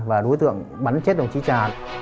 và đối tượng bắn chết đồng chí trà